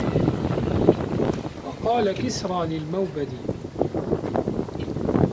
وَقَالَ كِسْرَى لِلْمُوبَدِ